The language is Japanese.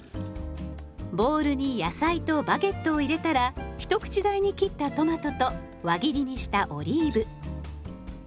ボウルに野菜とバゲットを入れたら一口大に切ったトマトと輪切りにしたオリーブ。